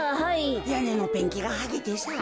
やねのペンキがはげてさぁ。